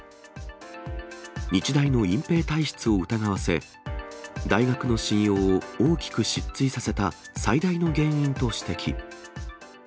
日大の隠蔽体質を疑わせ、大学の信用を大きく失墜させた最大の原因と指摘。